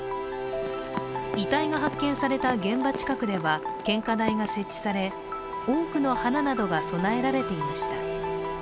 遺体が発見された現場近くでは献花台が設置され多くの花などが供えられていました。